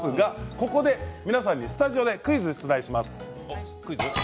ここで皆さんスタジオでクイズを出題します。